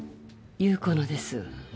優子のです